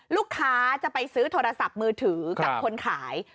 ลูกค้าจะไปซื้อโทรศัพท์มือถือกับคนขาย